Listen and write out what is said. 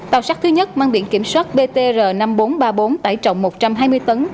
tàu sắt thứ nhất mang biển kiểm soát btr năm nghìn bốn trăm ba mươi bốn tải trọng một trăm hai mươi tấn